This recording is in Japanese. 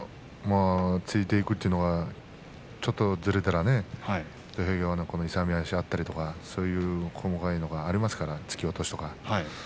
突いていくというのがちょっとずれたら土俵際の勇み足があったりとかそういう細かいことがありますから、突き落としとか。